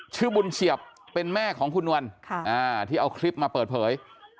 ชื่อบุญเฉียบเป็นแม่ของคุณนวลที่เอาคลิปมาเปิดเผย